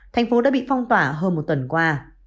thành phố đã bị phong tỏa hơn một tuần qua